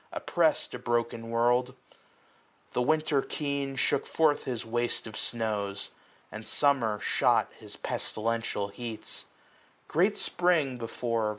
Oppressed a broken world : The Winter keen Shook forth his waste of snows ; and Summer shot His pestilential heats. Great Spring, before.